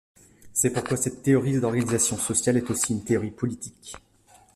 C'est pourquoi cette théorie d'organisation sociale est aussi une théorie politique.